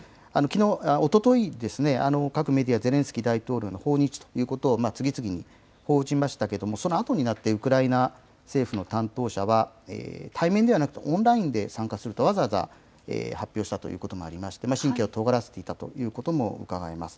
おとといですね、各メディア、ゼレンスキー大統領の訪日ということを次々に報じましたけれども、そのあとになってウクライナ政府の担当者は、対面ではなくオンラインで参加するとわざわざ発表したということもありまして、神経をとがらせていたということもうかがえます。